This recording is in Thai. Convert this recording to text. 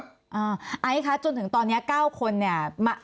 ไอสวัสดีค่ะจนถึงตอนนี้๙คนนี่